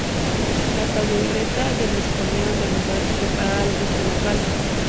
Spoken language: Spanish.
La caldereta de los corderos del lugar, preparada al gusto local.